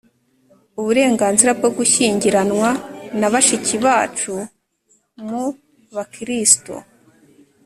uburenganzira bwo gushyingiranwa na bashiki bacu m b Abakristo